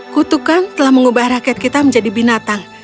kutukan telah mengubah rakyat kita menjadi binatang